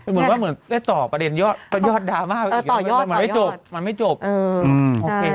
เหมือนว่าได้ต่อประเด็นยอดดราม่าต่อยอดต่อยอดมันไม่จบมันไม่จบอืมโอเค